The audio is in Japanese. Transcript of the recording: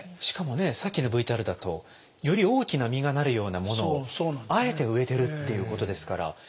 しかもねさっきのＶＴＲだとより大きな実がなるようなものをあえて植えてるっていうことですから。